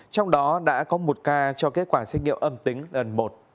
trong đó đã có một ca cho kết quả xét nghiệm âm tính lần một